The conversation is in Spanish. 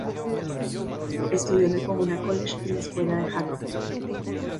Estudió en el Pomona College y la escuela de Harvard.